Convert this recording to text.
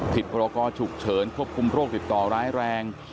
พรกรฉุกเฉินควบคุมโรคติดต่อร้ายแรง